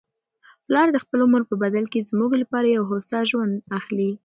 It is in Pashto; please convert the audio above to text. پلار د خپل عمر په بدل کي زموږ لپاره یو هوسا ژوند اخلي.